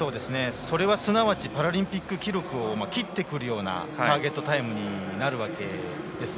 それは、すなわちパラリンピック記録を切ってくるようなターゲットタイムになるわけです。